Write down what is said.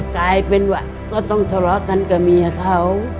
กลายเป็นว่าก็ต้องทะเลาะกันกับเมียเขา